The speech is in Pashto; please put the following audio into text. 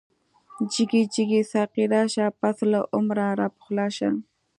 جګی جګی ساقی راشه، پس له عمره راپخلا شه